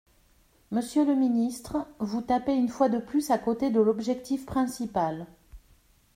Monsieur le ministre, vous tapez une fois de plus à côté de l’objectif principal.